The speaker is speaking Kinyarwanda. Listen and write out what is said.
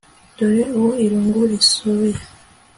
dore uwo irungu risuye